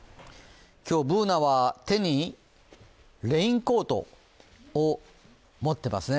今日、Ｂｏｏｎａは手にレインコートを持っていますね。